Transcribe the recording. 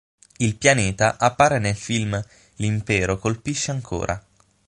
Il pianeta appare nel film "L'Impero colpisce ancora.